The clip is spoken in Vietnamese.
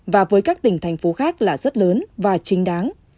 và với các tỉnh thành phố khác là rất lớn và chính đáng